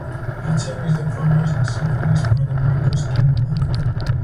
Mitchell is the former saxophonist for The Marcus King Band.